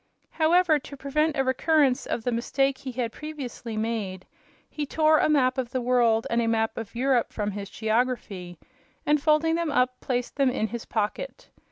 However, to prevent a recurrence of the mistake he had previously made, he tore a map of the world and a map of Europe from his geography, and, folding them up, placed them in his pocket.